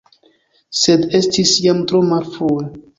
Sed estis jam tro malfrue.